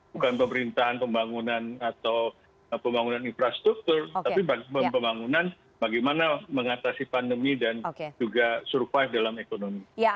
bukan pemerintahan pembangunan atau pembangunan infrastruktur tapi pembangunan bagaimana mengatasi pandemi dan juga survive dalam ekonomi